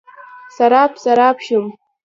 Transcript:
سراب، سراب شوم